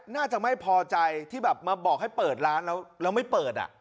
น่าจะไม่พอใจที่แบบมาบอกให้เปิดร้านแล้วไม่เปิด